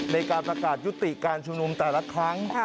ในการประกาศยุติการชุมนุมแต่ละครั้ง